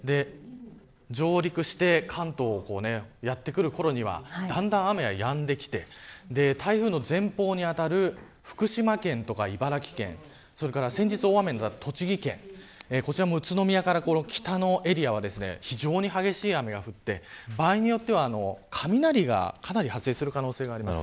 上陸して関東にやってくるころにはだんだん雨がやんできて台風の前方に当たる福島県とか茨城県先日大雨になった栃木県こちらも宇都宮から北のエリアは非常に激しい雨が降って場合によっては雷が発生する可能性があります。